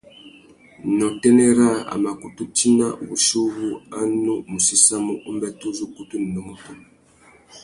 Nà utênê râā, a mà kutu tina wuchi uwú a nu mù séssamú umbêtê uzu ukutu nà unúmútú.